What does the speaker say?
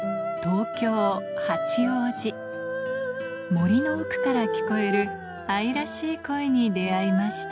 森の奥から聞こえる愛らしい声に出合いました